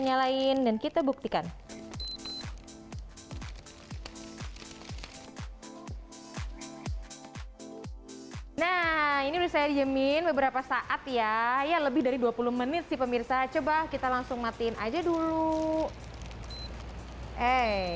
nyalain dan kita buktikan nah ini udah saya dijemin beberapa saat ya ya lebih dari dua puluh menit sih pemirsa coba kita langsung matiin aja dulu eh